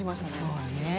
そうね。